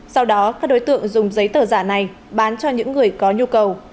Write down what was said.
sau đó các đối tượng dùng giấy tờ giả này bán cho những người có nhu cầu